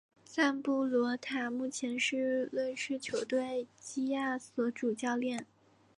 赞布罗塔目前是瑞士球队基亚索主教练。